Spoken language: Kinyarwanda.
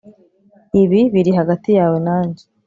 Ibi biri hagati yawe nanjye